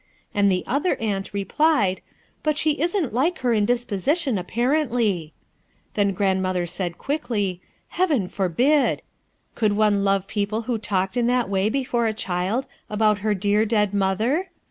And the other aunt replied, 'But she isn't like her in disposition, apparently.' Then Grandmother said quiekly, 'Heaven forbid I ' Could one love people who talked in that way before a child about her drar dead mother?